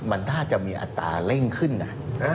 มันน่าจะมีอัตราเร่งขึ้นนะ